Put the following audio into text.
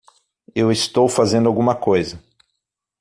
Eu estou fazendo alguma coisa.